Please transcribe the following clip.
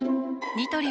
ニトリ